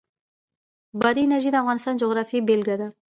بادي انرژي د افغانستان د جغرافیې بېلګه ده.